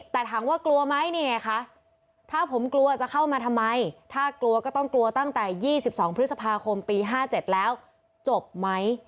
แต่ถามว่ากลัวไหมนี่ไงคะถ้าผมกลัวจะเข้ามาทำไมถ้ากลัวก็ต้องกลัวตั้งแต่๒๒พฤษภาคมปี๕๗แล้วจบไหม